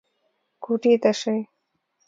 کوټې ته شئ.